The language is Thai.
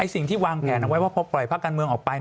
สิ่งที่วางแผนเอาไว้ว่าพอปล่อยภาคการเมืองออกไป